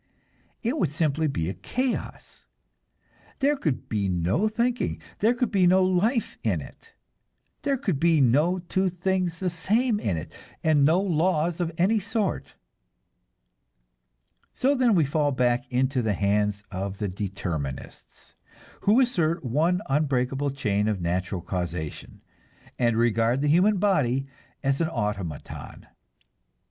It would simply be a chaos; there could be no thinking, there could be no life in it; there could be no two things the same in it, and no laws of any sort. So then we fall back into the hands of the "determinists," who assert one unbreakable chain of natural causation, and regard the human body as an automaton.